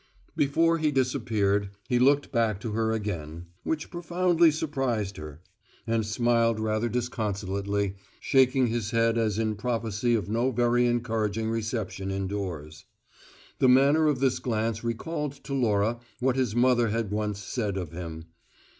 Before he disappeared, he looked back to her again (which profoundly surprised her) and smiled rather disconsolately, shaking his head as in prophecy of no very encouraging reception indoors. The manner of this glance recalled to Laura what his mother had once said of him.